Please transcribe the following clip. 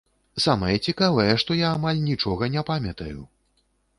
Самае цікавае, што я амаль нічога не памятаю.